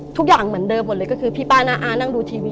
ทุกอย่างเหมือนเดิมหมดเลยก็คือพี่ป้าน้าอานั่งดูทีวี